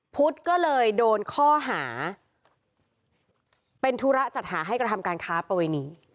พุทธก็เลยโดนข้อหาเป็นธุระจัดหาให้กระทำการค้าประเวณี